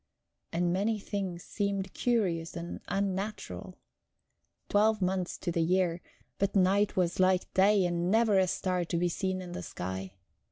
And many things seemed curious and unnatural. Twelve months to the year but night was like day, and never a star to be seen in the sky.